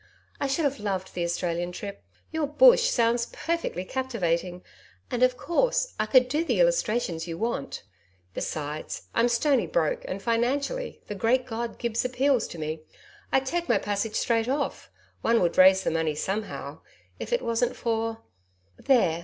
I should have loved the Australian trip. Your "Bush" sounds perfectly captivating, and, of course, I could do the illustrations you want. Besides, I'm stony broke and, financially, the great god Gibbs appeals to me. I'd take my passage straight off one would raise the money somehow if it wasn't for There!